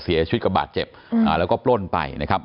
เสียชีวิตกับบาดเจ็บแล้วก็ปล้นไปนะครับ